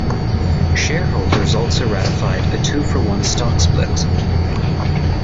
Shareholders also ratified a two-for-one stock split.